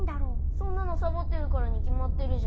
そんなのサボってるからにきまってるじゃん。